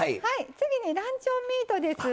次にランチョンミートです。